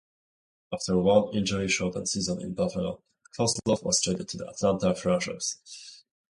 After one injury-shortened season in Buffalo, Kozlov was traded to the Atlanta Thrashers.